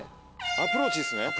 アプローチですね。